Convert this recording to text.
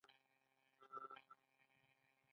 افغاني کالي ولې مشهور دي؟